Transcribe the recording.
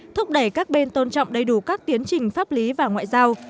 thúc đẩy các bên tôn trọng đầy đủ các tiến trình pháp lý và ngoại giao